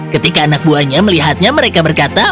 ketika anak buahnya melihatnya mereka berkata